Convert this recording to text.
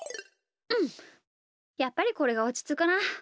うんやっぱりこれがおちつくな。